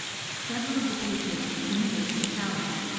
Several of the patriots were committed to the Tower.